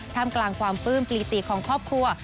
ทำกลางความปลื้มปลีติของครอบครัว